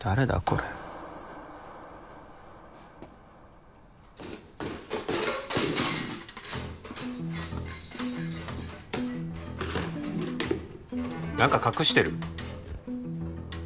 これ何か隠してる？